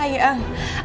aku tuh gak pernah suka